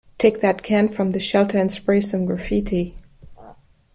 Take that can from the shelter and spray some graffiti.